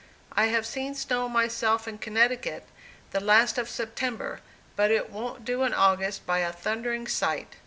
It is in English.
I have seen snow myself in Connecticut, the last of September, but it wont do in August, by a thundering sight."